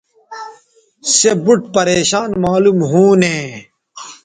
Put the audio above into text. سے بُوٹ پریشان معلوم ھونے